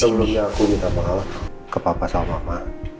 sebelumnya aku minta maaf ke papa sama mama